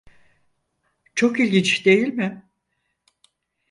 Çok ilginç, değil mi?